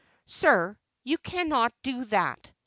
"Sir, you cannot do that.